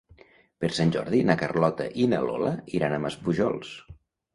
Per Sant Jordi na Carlota i na Lola iran a Maspujols.